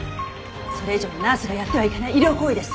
それ以上はナースがやってはいけない医療行為です。